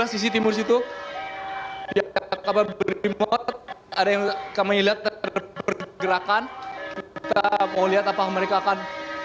di sisi timur situ ada yang kamu lihat bergerakan kita mau lihat apa mereka akan